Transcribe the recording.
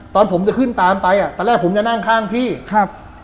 ตอนผมจะขึ้นตามไปอ่ะตอนแรกผมจะนั่งข้างพี่ครับ